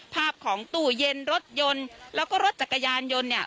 ภาพของตู้เย็นรถยนต์แล้วก็รถจักรยานยนต์เนี่ย